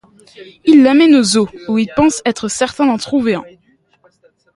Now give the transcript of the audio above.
Il l'amène au zoo, où il pense être certain d'en trouver un.